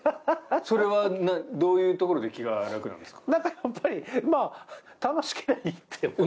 それは、どういうところで気が楽なんですか？